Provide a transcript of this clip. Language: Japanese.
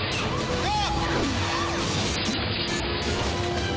えっ？